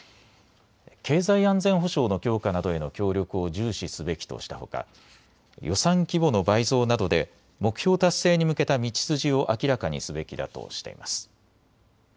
経済安全保障の強化などへの協力を重視すべきとしたほか、予算規模の倍増などで目標達成に向けた道筋を明らかにすべきだとしています。